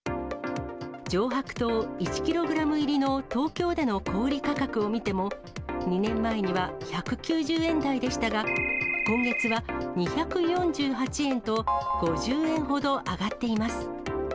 上白糖１キログラム入りの東京での小売り価格を見ても、２年前には１９０円台でしたが、今月は２４８円と、５０円ほど上がっています。